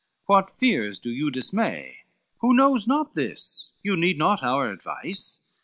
what fears do you dismay? Who knows not this, you need not our advice!